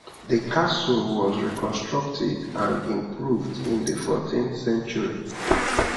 The castle was reconstructed and improved in the fourteenth century.